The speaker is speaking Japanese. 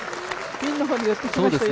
ピンの方に寄ってきましたよ。